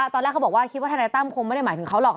ตอนแรกเขาบอกว่าคิดว่าทนายตั้มคงไม่ได้หมายถึงเขาหรอก